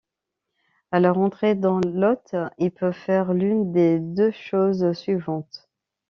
À leur entrée dans l'hôte, ils peuvent faire l'une des deux choses suivantes.